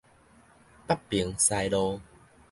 北平西路